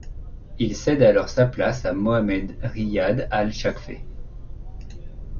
Il cède alors sa place à Mohammed Riyad Al Chaqfeh.